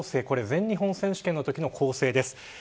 これ全日本選手権のときの構成です。